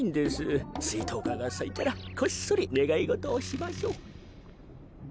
スイトウカがさいたらこっそりねがいごとをしましょう。